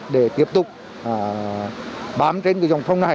để tiếp tục bám trên dòng phòng cháy